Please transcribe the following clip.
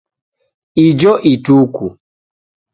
Ijo Ituku.